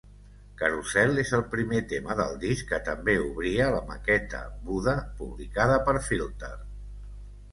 "Carousel" és el primer tema del disc, que també obria la maqueta "Buddha" publicada per Filter.